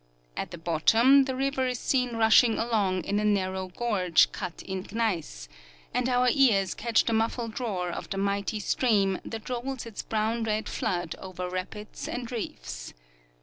At the bottom the river is seen rushing along in a narrow gorge cut in gneiss, and our ears catch the muffled roar of the mighty stream that rolls its brown red flood over rapids and reefs.